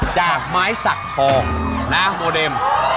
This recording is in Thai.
จากไม้สักทองนะโมเดม